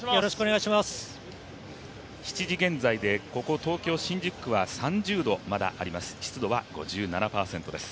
７時現在で、ここ東京・新宿区はまだ３０度あります。